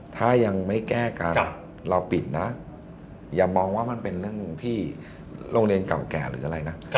ถ้ายังไม่แก้กันเราปิดนะอย่ามองว่ามันเป็นเรื่องที่โรงเรียนเก่าแก่หรืออะไรนะ